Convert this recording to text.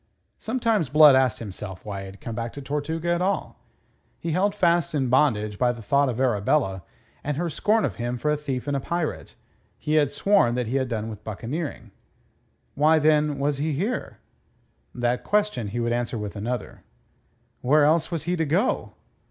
Sometimes Blood asked himself why had he come back to Tortuga at all. Held fast in bondage by the thought of Arabella and her scorn of him for a thief and a pirate, he had sworn that he had done with buccaneering. Why, then, was he here? That question he would answer with another: Where else was he to go?